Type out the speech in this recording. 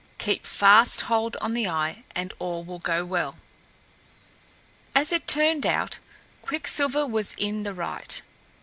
Keep fast hold on the eye and all will go well." As it turned out, Quicksilver was in the right.